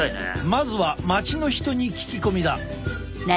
まずは町の人に聞き込みだ。